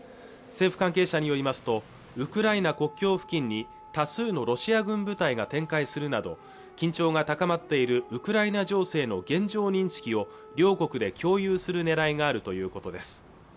政府関係者によりますとウクライナ国境付近に多数のロシア軍部隊が展開するなど緊張が高まっているウクライナ情勢の現状認識を両国で共有するねらいがあるということです